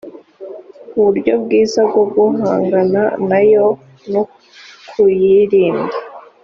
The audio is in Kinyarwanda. uburyo bwiza bwo guhangana nayo nukuyirinda